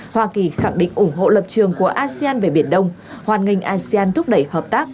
hoa kỳ khẳng định ủng hộ lập trường của asean về biển đông hoàn nghênh asean thúc đẩy hợp tác